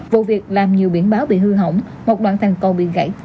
vụ việc làm nhiều biển báo bị hư hỏng hoặc đoạn thành cầu bị gãy